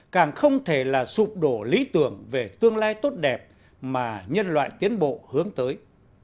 càng không thể là sụp đổ lý tưởng về tương lai tốt đẹp mà nhân loại tiến bộ hướng tới